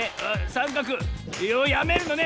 さんかくやめるのね。